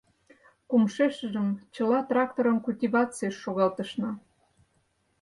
Кумшешыжым чыла тракторым культивацийыш шогалтышна.